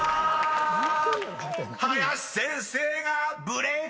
［林先生がブレーキ！